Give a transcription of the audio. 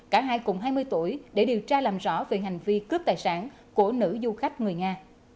cả hai cùng hai mươi tuổi để điều tra làm rõ về hành vi cướp tài sản của nữ du khách người nga